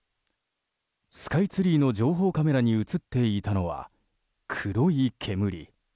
スカイツリーの情報カメラに映っていたのは黒い煙。